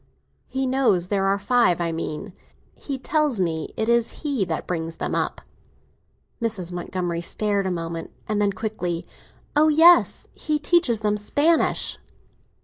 "He knows there are five, I mean. He tells me it is he that brings them up." Mrs. Montgomery stared a moment, and then quickly—"Oh yes; he teaches them Spanish."